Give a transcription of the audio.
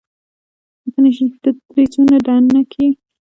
ته ترې څونه دنګ يې